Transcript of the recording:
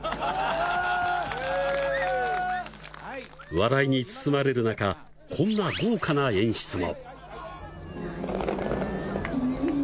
笑いに包まれる中、こんな豪華な演出も。